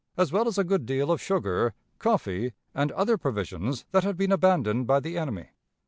as well as a good deal of sugar, coffee, and other provisions that had been abandoned by the enemy....